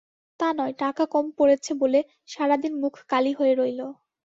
তা নয়, টাকা কম পড়েছে বলে সারাদিন মুখ কালি হয়ে রইল।